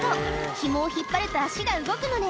ひもを引っ張ると足が動くのね。